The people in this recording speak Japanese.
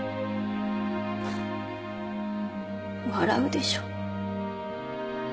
笑うでしょ？